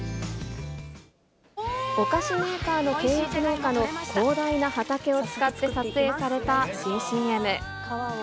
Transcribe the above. お菓子メーカーの契約農家の広大な畑を使って撮影された新ＣＭ。